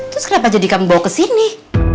terus kenapa jadi kamu bawa kesini